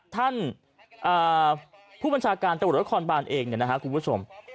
ท่านผู้บัญชาการตะวัดละครบานเองคุณผู้ชม